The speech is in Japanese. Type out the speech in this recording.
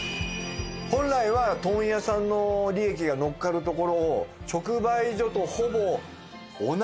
本来は問屋さんの利益がのっかるところを直売所とほぼ同じお値段で。